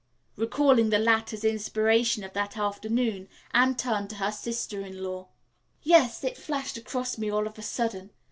Recalling the latter's inspiration of that afternoon, Anne turned to her sister in law. "Yes. It flashed across me all of a sudden.